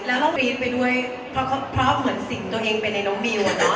แล้วก็ปี๊ดไปด้วยเพราะเขาเหมือนสิ่งตัวเองไปในน้องบิวอะเนาะ